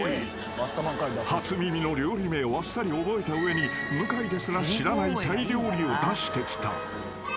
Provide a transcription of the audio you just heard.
［初耳の料理名をあっさり覚えた上に向井ですら知らないタイ料理を出してきた］